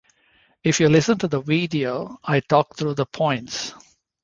If you listen to the video, I talk through the points.